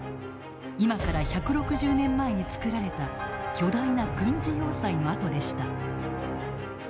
今から１６０年前に造られた巨大な軍事要塞の跡でした。